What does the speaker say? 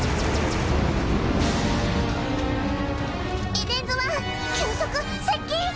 エデンズワン急速接近！